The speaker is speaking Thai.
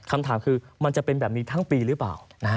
คำถามคือมันจะเป็นแบบนี้ทั้งปีหรือเปล่า